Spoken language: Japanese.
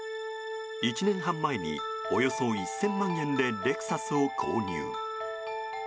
１年半前におよそ１０００万円でレクサスを購入。